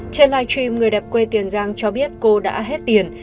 trên live stream người đẹp quê tiền giang cho biết cô đã hết tiền